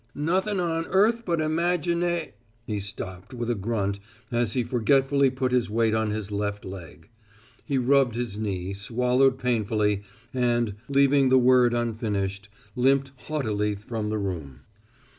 "Nothin' on earth but imagina " He stopped with a grunt as he forgetfully put his weight on his left leg. He rubbed his knee, swallowed painfully, and, leaving the word unfinished, limped haughtily from the room.